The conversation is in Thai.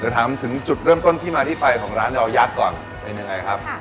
เดี๋ยวถามถึงจุดเริ่มต้นที่มาที่ไปของร้านเรายักษ์ก่อนเป็นยังไงครับ